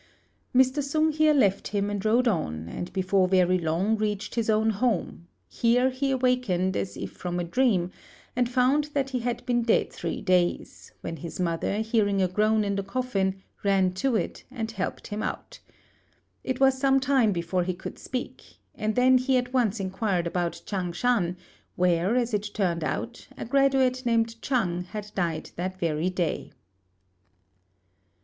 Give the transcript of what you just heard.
Mr. Sung here left him and rode on, and before very long reached his own home; here he awaked as if from a dream, and found that he had been dead three days, when his mother, hearing a groan in the coffin, ran to it and helped him out. It was some time before he could speak, and then he at once inquired about Ch'ang shan, where, as it turned out, a graduate named Chang had died that very day.